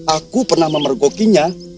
aku pernah memergokinya